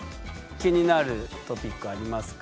気になるトピックありますか？